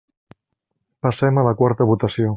Passem a la quarta votació.